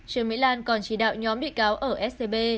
trương mỹ lan còn chỉ đạo nhóm bị cáo ở scb